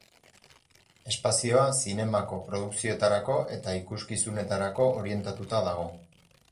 Espazioa zinemako produkzioetarako eta ikuskizunetarako orientatuta dago.